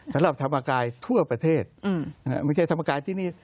สำหรับธรรมกายทั่วประเทศไม่ใช่ธรรมกายที่นี่